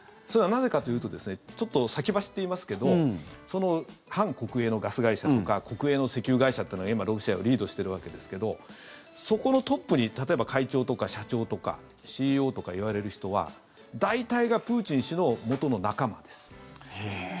それはなぜかというとちょっと先走って言いますけど半国営のガス会社とか国営の石油会社ってのが今、ロシアをリードしてるわけですけどそこのトップに例えば、会長とか社長とかＣＥＯとかいわれる人は大体がプーチン氏の元の仲間です。